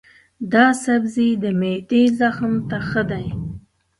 دا سبزی د معدې زخم ته ښه دی.